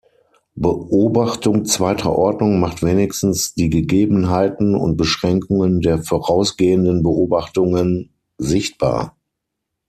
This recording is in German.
Beobachtung zweiter Ordnung macht wenigstens die Gegebenheiten und Beschränkungen der vorausgehenden Beobachtungen sichtbar.